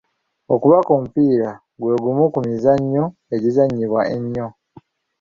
Okubaka omupiira gwe gumu ku mizannyo egizannyibwa ennyo.